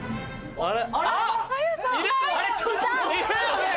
・あれ？